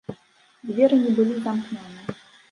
Дзверы не былі замкнёны.